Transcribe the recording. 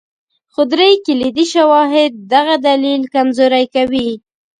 خو درې کلیدي شواهد دغه دلیل کمزوری کوي.